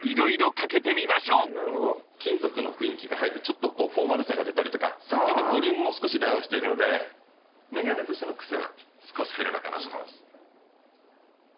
金属の雰囲気が入ってちょっとフォーマルさが出たりとかさっきのボリュームも少しダウンしているので眼鏡としての癖は少し減るのかなと。